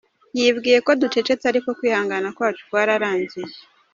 Yibwiye ko ducecetse ariko kwihangana kwacu kwarangiye.